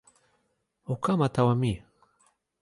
o kama tawa mi.